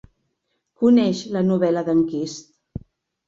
Coneix la novel·la d'Enquist.